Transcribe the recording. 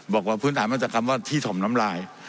บอกว่าพื้นฐานมาจากคำว่าที่ถ่อมน้ำลาย